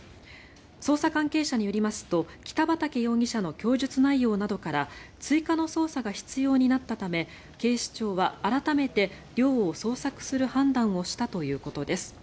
捜査関係者によりますと北畠容疑者の供述内容などから追加の捜査が必要になったため警視庁は改めて寮を捜索する判断をしたということです。